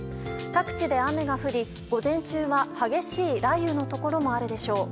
各地で雨が降り午前中は激しい雷雨のところもあるでしょう。